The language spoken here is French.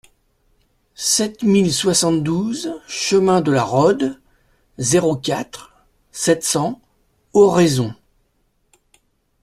sept mille soixante-douze chemin de la Rhôde, zéro quatre, sept cents, Oraison